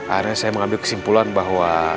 akhirnya saya mengambil kesimpulan bahwa